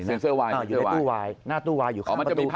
เซ็นเซอร์วายอยู่ในตู้วายหน้าตู้วายอยู่ข้างประตู